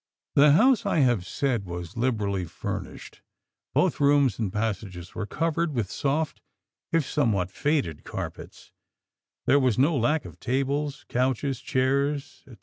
The house, I have said, was liberally furnished; both rooms and passages were covered with soft if somewhat faded carpets; there was no lack of tables, couches, chairs, &c.